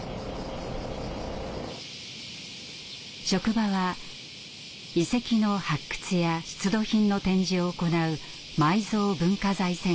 職場は遺跡の発掘や出土品の展示を行う埋蔵文化財センター。